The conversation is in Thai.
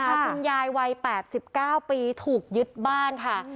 คุณยายวัย๘๙ปีถูกยึดบ้านค่ะ